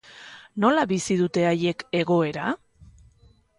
Nola bizi dute haiek egoera?